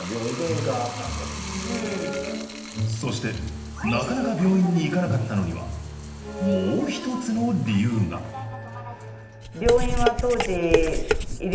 そしてなかなか病院に行かなかったのにはもう１つの理由が大変でしたし。